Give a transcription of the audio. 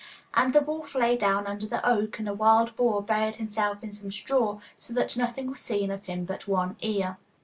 And the wolf lay down under the oak, and the wild boar buried himself in some straw, so that nothing was seen of him but one ear.